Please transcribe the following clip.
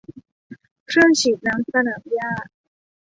เครื่องฉีดน้ำสนามหญ้า